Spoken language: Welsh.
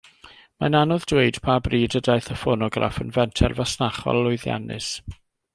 Mae'n anodd dweud pa bryd y daeth y ffonograff yn fenter fasnachol lwyddiannus.